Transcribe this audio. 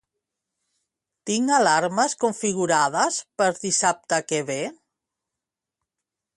Tinc alarmes configurades per dissabte que ve?